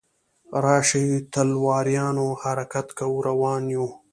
راشئ تلواریانو حرکت کوو روان یو.